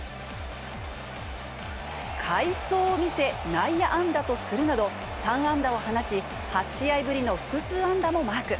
快走を見せ内野安打とするなど、３安打を放ち、８試合ぶりの複数安打もマーク。